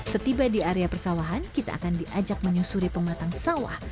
setiba di area persawahan kita akan diajak menyusuri pematang sawah